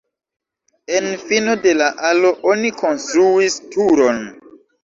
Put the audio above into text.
En fino de la alo oni konstruis turon.